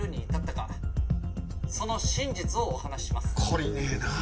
懲りねえなぁ。